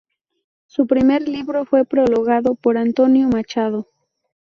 Su primer libro fue prologado por Antonio Machado.